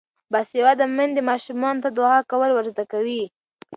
باسواده میندې ماشومانو ته دعا کول ور زده کوي.